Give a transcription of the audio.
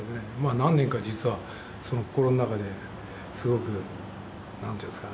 何年か実は心の中ですごくなんていうんですかね